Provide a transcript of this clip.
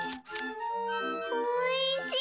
おいしい！